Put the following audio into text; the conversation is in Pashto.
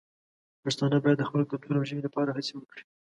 پښتانه باید د خپل کلتور او ژبې لپاره هڅې وکړي.